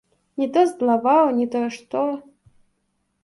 Не то злаваў, не то што.